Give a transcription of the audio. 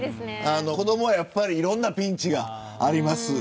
子どもはやっぱりいろんなピンチがあります。